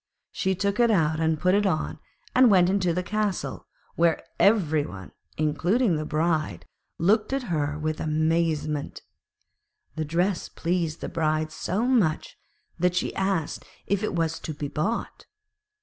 She took it out, put it on, and went into the castle, where every one, including the Bride, looked at her with amazement. The dress pleased the Bride so much that she asked if it was to be bought.